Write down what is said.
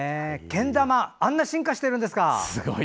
けん玉あんなに進化してるんですか。